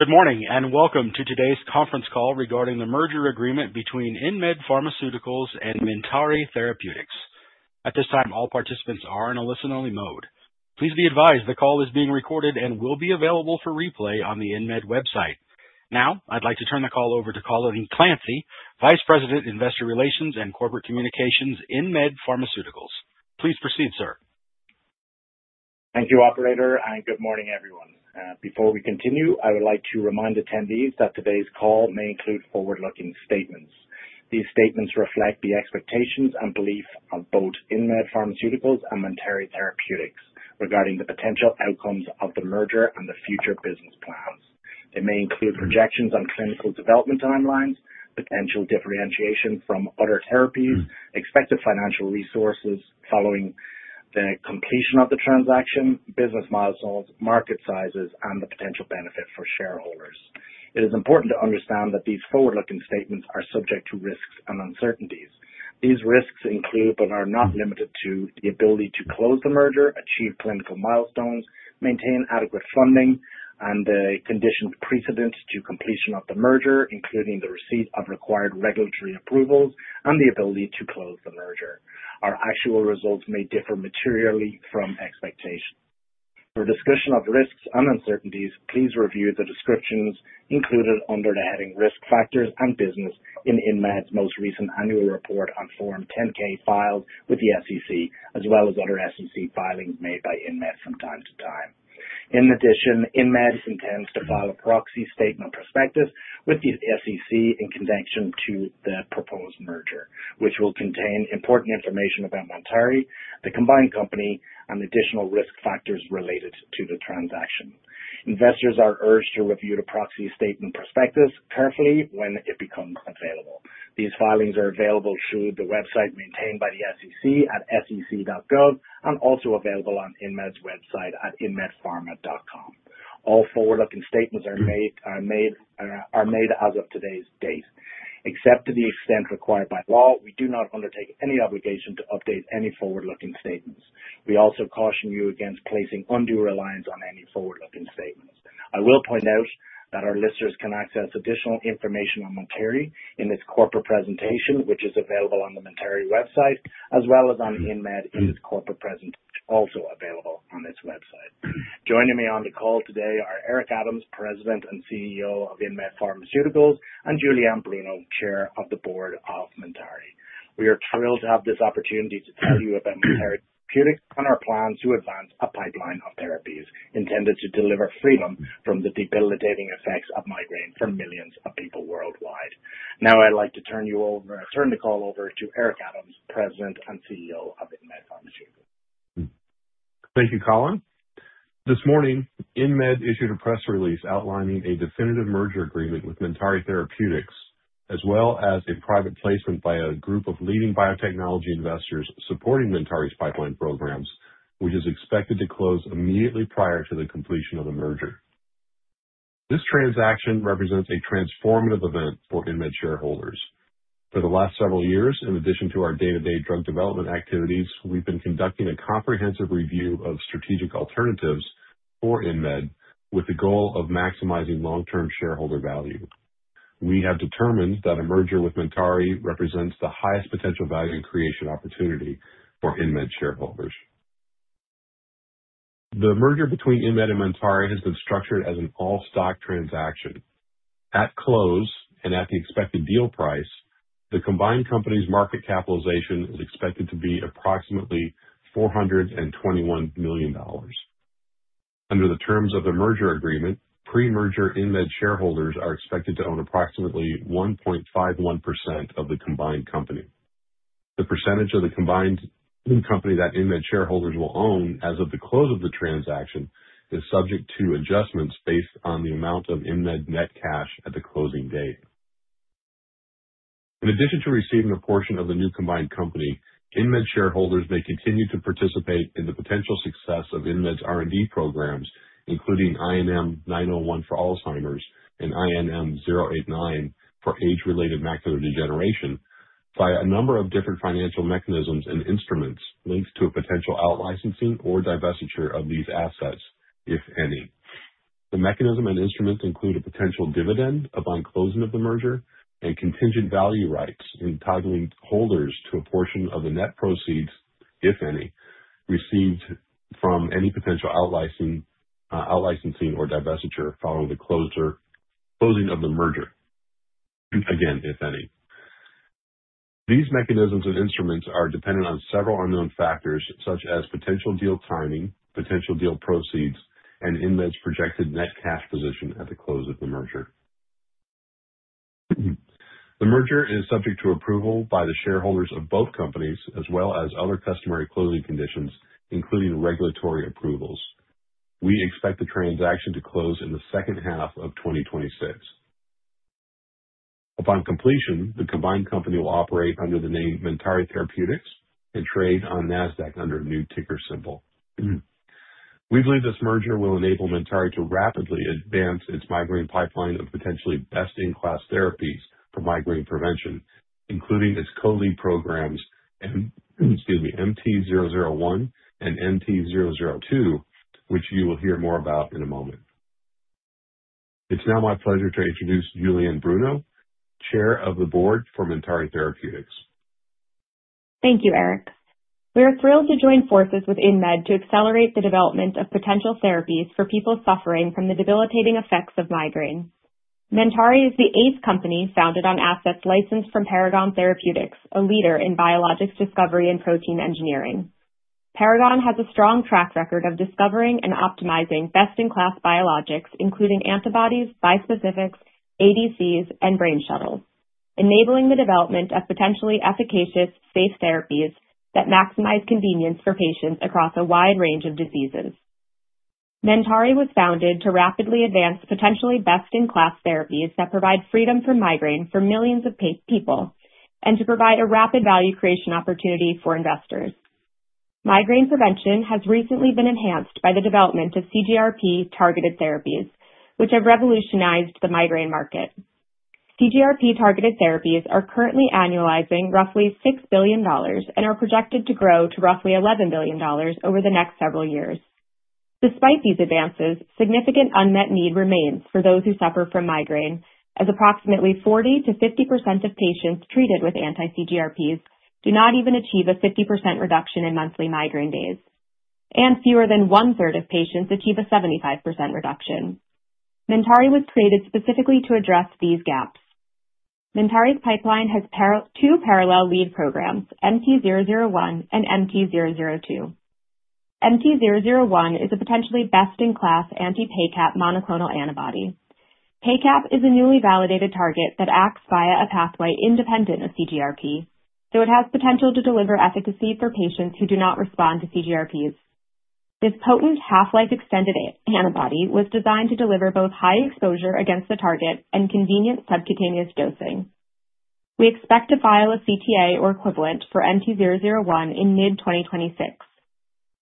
Good morning, and welcome to today's conference call regarding the merger agreement between InMed Pharmaceuticals and Mentari Therapeutics. At this time, all participants are in a listen-only mode. Please be advised the call is being recorded and will be available for replay on the InMed website. Now I'd like to turn the call over to Colin Clancy, Vice President, Investor Relations and Corporate Communications, InMed Pharmaceuticals. Please proceed, sir. Thank you, operator, and good morning, everyone. Before we continue, I would like to remind attendees that today's call may include forward-looking statements. These statements reflect the expectations and beliefs of both InMed Pharmaceuticals and Mentari Therapeutics regarding the potential outcomes of the merger and the future business plans. It may include projections on clinical development timelines, potential differentiation from other therapies, expected financial resources following the completion of the transaction, business milestones, market sizes, and the potential benefit for shareholders. It is important to understand that these forward-looking statements are subject to risks and uncertainties. These risks include, but are not limited to, the ability to close the merger, achieve clinical milestones, maintain adequate funding, and the conditions precedent to completion of the merger, including the receipt of required regulatory approvals and the ability to close the merger. Our actual results may differ materially from expectations. For a discussion of risks and uncertainties, please review the descriptions included under the heading Risk Factors and Business in InMed's most recent annual report on Form 10-K filed with the SEC, as well as other SEC filings made by InMed from time to time. In addition, InMed intends to file a proxy statement prospectus with the SEC in connection to the proposed merger, which will contain important information about Mentari Therapeutics, the combined company, and additional risk factors related to the transaction. Investors are urged to review the proxy statement prospectus carefully when it becomes available. These filings are available through the website maintained by the SEC at sec.gov and also available on InMed's website at inmedpharma.com. All forward-looking statements are made as of today's date. Except to the extent required by law, we do not undertake any obligation to update any forward-looking statements. We also caution you against placing undue reliance on any forward-looking statements. I will point out that our listeners can access additional information on Mentari in its corporate presentation, which is available on the Mentari website, as well as on InMed in its corporate presentation, also available on its website. Joining me on the call today are Eric Adams, President and CEO of InMed Pharmaceuticals, and Julianne DeMartino, Chair of the Board of Mentari. We are thrilled to have this opportunity to tell you about Mentari Therapeutics and our plans to advance a pipeline of therapies intended to deliver freedom from the debilitating effects of migraine for millions of people worldwide. I'd like to turn the call over to Eric Adams, President and CEO of InMed Pharmaceuticals. Thank you, Colin. This morning, InMed issued a press release outlining a definitive merger agreement with Mentari Therapeutics, as well as a private placement by a group of leading biotechnology investors supporting Mentari's pipeline programs, which is expected to close immediately prior to the completion of the merger. This transaction represents a transformative event for InMed shareholders. For the last several years, in addition to our day-to-day drug development activities, we've been conducting a comprehensive review of strategic alternatives for InMed with the goal of maximizing long-term shareholder value. We have determined that a merger with Mentari represents the highest potential value creation opportunity for InMed shareholders. The merger between InMed and Mentari has been structured as an all-stock transaction. At close and at the expected deal price, the combined company's market capitalization is expected to be approximately $421 million. Under the terms of the merger agreement, pre-merger InMed shareholders are expected to own approximately 1.51% of the combined company. The percentage of the combined company that InMed shareholders will own as of the close of the transaction is subject to adjustments based on the amount of InMed net cash at the closing date. In addition to receiving a portion of the new combined company, InMed shareholders may continue to participate in the potential success of InMed's R&D programs, including INM-901 for Alzheimer's and INM-089 for age-related macular degeneration, by a number of different financial mechanisms and instruments linked to a potential out-licensing or divestiture of these assets, if any. The mechanism and instruments include a potential dividend upon closing of the merger and contingent value rights entitling holders to a portion of the net proceeds, if any, received from any potential out-licensing or divestiture following the closing of the merger. Again, if any. These mechanisms and instruments are dependent on several unknown factors such as potential deal timing, potential deal proceeds, and InMed's projected net cash position at the close of the merger. The merger is subject to approval by the shareholders of both companies as well as other customary closing conditions, including regulatory approvals. We expect the transaction to close in the second half of 2026. Upon completion, the combined company will operate under the name Mentari Therapeutics and trade on NASDAQ under a new ticker symbol. We believe this merger will enable Mentari to rapidly advance its migraine pipeline of potentially best-in-class therapies for migraine prevention, including its co-lead programs, MT-001 and MT-002, which you will hear more about in a moment. It's now my pleasure to introduce Julianne Bruno, Chair of the Board for Mentari Therapeutics. Thank you, Eric. We are thrilled to join forces with InMed to accelerate the development of potential therapies for people suffering from the debilitating effects of migraine. Mentari is the eighth company founded on assets licensed from Paragon Therapeutics, a leader in biologics discovery and protein engineering. Paragon has a strong track record of discovering and optimizing best-in-class biologics, including antibodies, bispecifics, ADCs, and brain shuttles, enabling the development of potentially efficacious, safe therapies that maximize convenience for patients across a wide range of diseases. Mentari was founded to rapidly advance potentially best-in-class therapies that provide freedom from migraine for millions of people and to provide a rapid value creation opportunity for investors. Migraine prevention has recently been enhanced by the development of CGRP-targeted therapies, which have revolutionized the migraine market. CGRP-targeted therapies are currently annualizing roughly $6 billion and are projected to grow to roughly $11 billion over the next several years. Despite these advances, significant unmet need remains for those who suffer from migraine, as approximately 40%-50% of patients treated with anti-CGRPs do not even achieve a 50% reduction in monthly migraine days, and fewer than one-third of patients achieve a 75% reduction. Mentari was created specifically to address these gaps. Mentari's pipeline has two parallel lead programs, MT-001 and MT-002. MT-001 is a potentially best-in-class anti-PACAP monoclonal antibody. PACAP is a newly validated target that acts via a pathway independent of CGRP, so it has potential to deliver efficacy for patients who do not respond to CGRPs. This potent half-life extended antibody was designed to deliver both high exposure against the target and convenient subcutaneous dosing. We expect to file a CTA or equivalent for MT-001 in mid-2026.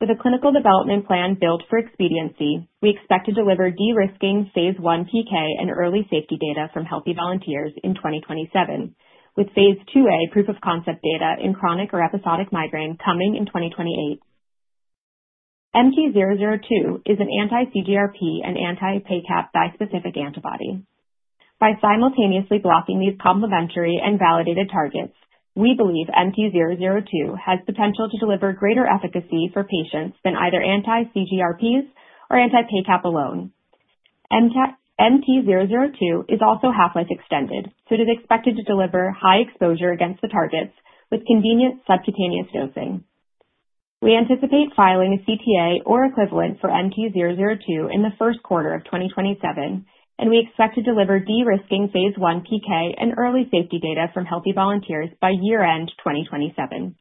With a clinical development plan built for expediency, we expect to deliver de-risking phase I PK and early safety data from healthy volunteers in 2027, with phase IIa proof of concept data in chronic or episodic migraine coming in 2028. MT-002 is an anti-CGRP and anti-PACAP bispecific antibody. By simultaneously blocking these complementary and validated targets, we believe MT-002 has potential to deliver greater efficacy for patients than either anti-CGRPs or anti-PACAP alone. MT-002 is also half-life extended, so it is expected to deliver high exposure against the targets with convenient subcutaneous dosing. We anticipate filing a CTA or equivalent for MT-002 in the first quarter of 2027, and we expect to deliver de-risking phase I PK and early safety data from healthy volunteers by year-end 2027.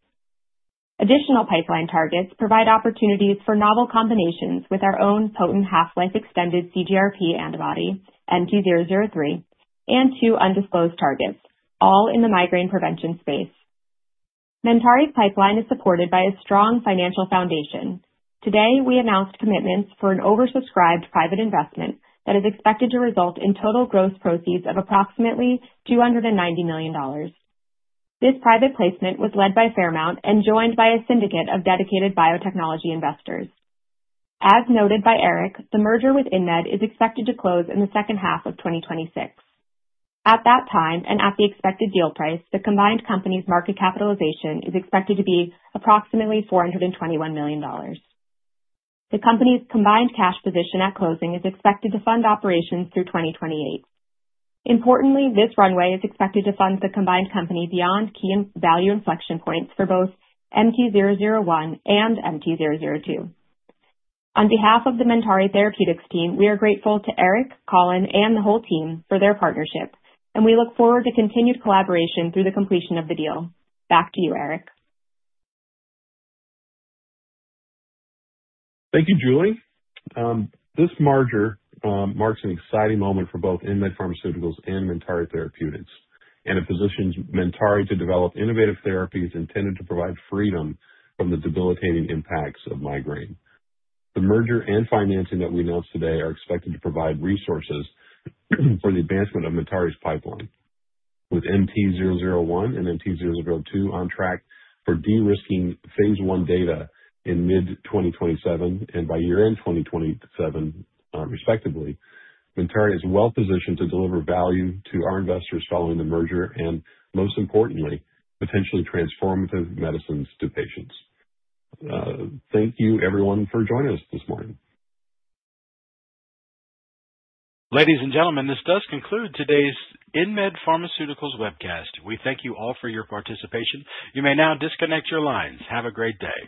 Additional pipeline targets provide opportunities for novel combinations with our own potent half-life extended CGRP antibody, MT003, and two undisclosed targets, all in the migraine prevention space. Mentari's pipeline is supported by a strong financial foundation. Today, we announced commitments for an oversubscribed private investment that is expected to result in total gross proceeds of approximately $290 million. This private placement was led by Fairmount and joined by a syndicate of dedicated biotechnology investors. As noted by Eric, the merger with InMed is expected to close in the second half of 2026. At that time, and at the expected deal price, the combined company's market capitalization is expected to be approximately $421 million. The company's combined cash position at closing is expected to fund operations through 2028. Importantly, this runway is expected to fund the combined company beyond key value inflection points for both MT001 and MT002. On behalf of the Mentari Therapeutics team, we are grateful to Eric, Colin, and the whole team for their partnership, and we look forward to continued collaboration through the completion of the deal. Back to you, Eric. Thank you, Julie. This merger marks an exciting moment for both InMed Pharmaceuticals and Mentari Therapeutics and it positions Mentari to develop innovative therapies intended to provide freedom from the debilitating impacts of migraine. The merger and financing that we announced today are expected to provide resources for the advancement of Mentari's pipeline. With MT-001 and MT-002 on track for de-risking phase I data in mid-2027 and by year-end 2027, respectively, Mentari is well-positioned to deliver value to our investors following the merger and most importantly, potentially transformative medicines to patients. Thank you everyone for joining us this morning. Ladies and gentlemen, this does conclude today's InMed Pharmaceuticals webcast. We thank you all for your participation. You may now disconnect your lines. Have a great day.